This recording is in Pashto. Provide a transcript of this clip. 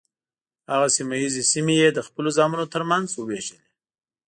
هغه سیمه ییزې سیمې یې د خپلو زامنو تر منځ وویشلې.